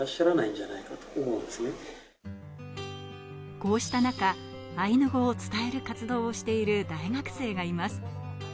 こうした中、アイヌ語を伝える活動をしている大学生がいます。